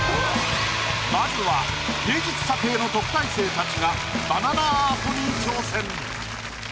まずは芸術査定の特待生たちがバナナアートに挑戦。